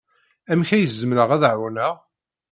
Amek ay zemreɣ ad ɛawneɣ?